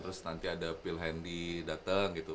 terus nanti ada phil handy datang gitu